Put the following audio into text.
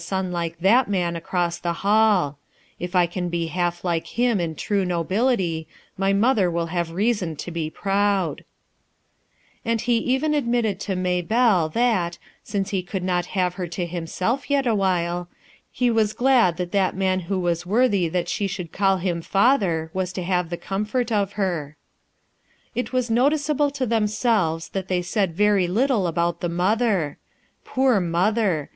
son like that man across the hall If I can be half like him in true nobility my mother will have reason to be proud," And he even admitted to May belle that since he could not have her to himself yet awhile, he was glad that that man who was worthy that she should call him father was to have the comfort of her. It was noticeable to themselves that they said very little about the mother. Poor mother!